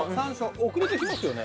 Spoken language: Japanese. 遅れてきますよね？